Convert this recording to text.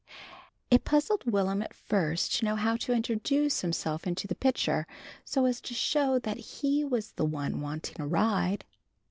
It puzzled Will'm at first to know how to introduce himself into the picture so as to show that he was the one wanting a ride.